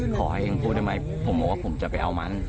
ขอให้เองพูดได้ไหมผมบอกว่าผมจะไปเอามัน